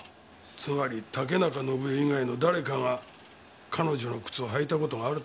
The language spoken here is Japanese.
つまり竹中伸枝以外の誰かが彼女の靴を履いた事があるって事か？